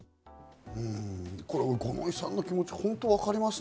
五ノ井さんのお気持ち、ホント分かりますね。